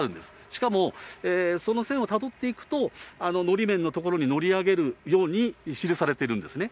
しかもその線をたどっていくと、のり面の所に乗り上げるように記されているんですね。